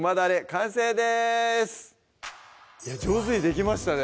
完成ですいや上手にできましたね